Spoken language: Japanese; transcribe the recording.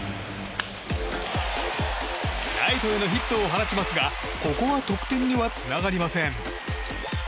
ライトへのヒットを放ちますがここは得点にはつながりません。